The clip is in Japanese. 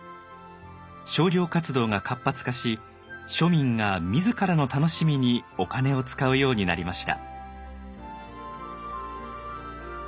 商業活動が活発化し庶民が自らの楽しみにお金を使うようになりました。